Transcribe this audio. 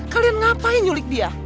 kalian ngapain nyulik dia